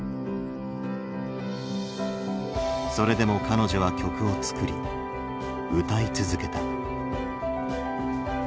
それでも彼女は曲を作り歌い続けた。